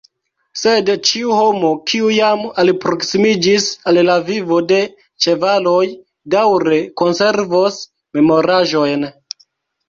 Sed ĉiu homo, kiu jam alproksimiĝis al la vivo de ĉevaloj, daŭre konservos memoraĵojn.